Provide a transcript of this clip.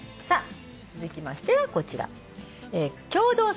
続きましてはこちら。